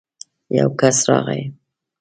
يو کس راغی.